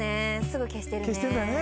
すぐ消してるね。